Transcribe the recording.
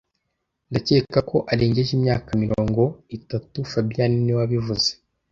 Ndakeka ko arengeje imyaka mirongo itatu fabien niwe wabivuze